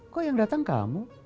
kok yang datang kamu